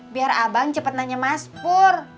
biar abang cepat nanya mas pur